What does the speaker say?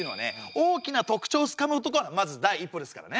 大きな特徴をつかむことがまず第一歩ですからね。